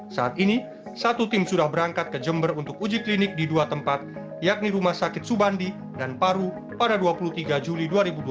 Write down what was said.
saat ini satu tim sudah berangkat ke jember untuk uji klinik di dua tempat yakni rumah sakit subandi dan paru pada dua puluh tiga juli dua ribu dua puluh